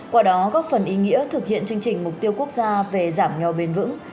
qua đó góp phần ý nghĩa thực hiện chương trình mục tiêu quốc gia về giảm nghèo bền vững